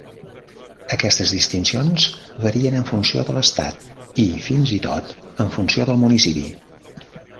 Aquestes distincions varien en funció de l'estat, i fins i tot en funció del municipi.